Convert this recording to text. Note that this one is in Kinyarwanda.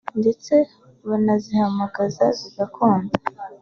ndetse banazihamagaza bigakunda